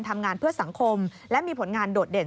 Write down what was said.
ทำงานเพื่อสังคมและมีผลงานโดดเด่น